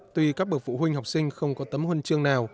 tuy các bậc phụ huynh học sinh không có tấm huân chương nào